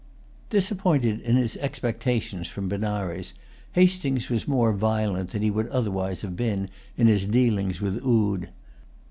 Disappointed in his expectations from Benares, Hastings was more violent than he would otherwise have been, in his dealings with Oude.